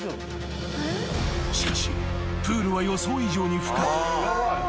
［しかしプールは予想以上に深く］